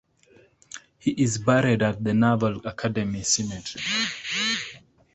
He is buried at the Naval Academy cemetery.